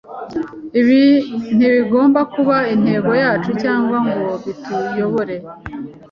ibi ntibigomba kuba intego yacu cyangwa ngo bituyobore.